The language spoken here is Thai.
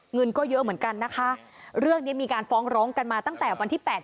เงินก็เยอะเหมือนกันนะคะเรื่องนี้มีการฟ้องร้องกันมาตั้งแต่วันที่แปด